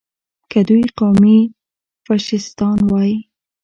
که دوی قومي فشیستان وای.